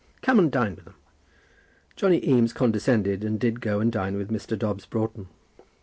Come and dine with them." Johnny Eames condescended, and did go and dine with Mr. Dobbs Broughton.